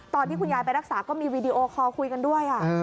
ตอนที่คุณยายไปรักษาก็มีวีดีโอคอลคุยกันด้วย